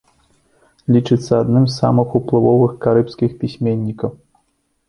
Лічыцца адным з самых уплывовых карыбскіх пісьменнікаў.